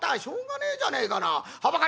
「しょうがねえじゃねえかなあ。